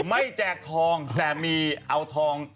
ไม่แจกทองแถมีเอาทอง